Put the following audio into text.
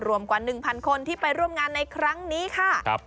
กว่า๑๐๐คนที่ไปร่วมงานในครั้งนี้ค่ะ